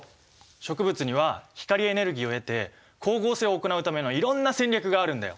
植物には光エネルギーを得て光合成を行うためのいろんな戦略があるんだよ。